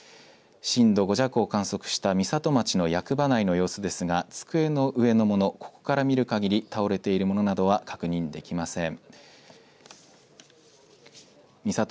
震度５弱を観測した美里町の役場内の様子ですが、机の上のもの、ここから見る限り、倒れているものなどは確認できません。